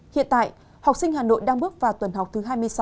hiện tại học sinh hà nội đang bước vào tuần học thứ hai mươi sáu